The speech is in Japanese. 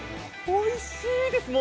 おいしいです。